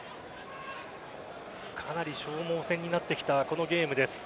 かなり消耗戦になってきたこのゲームです。